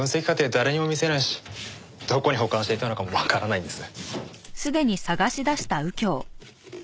誰にも見せないしどこに保管していたのかもわからないんです。